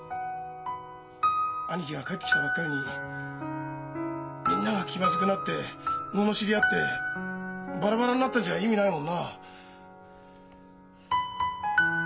兄貴が帰ってきたばっかりにみんなが気まずくなって罵り合ってバラバラになったんじゃ意味ないもんなあ。